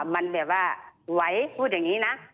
มันแบบว่าไหวพูดอย่างนี้นะ